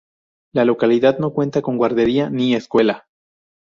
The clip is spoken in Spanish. La localidad no cuenta con guardería ni escuela.